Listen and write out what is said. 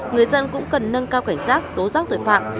người dân cũng cần nâng cao cảnh giác tố giác tội phạm